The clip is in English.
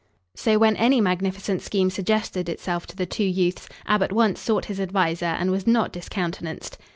So when any magnificent scheme suggested itself to the two youths, Ab at once sought his adviser and was not discountenanced.